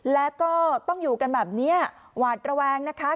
แล้วก็ต้องอยู่กันแบบนี้หวาดระแวงนะคะ